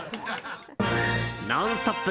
「ノンストップ！」